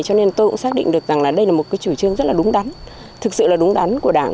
cho nên tôi cũng xác định được rằng là đây là một cái chủ trương rất là đúng đắn thực sự là đúng đắn của đảng